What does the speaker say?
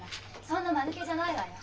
そんなまぬけじゃないわよ！